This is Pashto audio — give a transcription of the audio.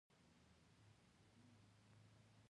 افغانستان د زردالو په اړه مشهور او لرغوني روایتونه لري.